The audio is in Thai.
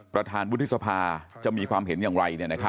ประธานวุฒิสภาจะมีความเห็นอย่างไร